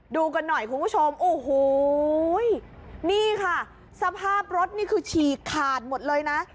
ดูกันหน่อยคุณผู้ชมโอ้โหนี่ค่ะสภาพรถนี่คือฉีกขาดหมดเลยนะ